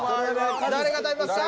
誰が食べますか？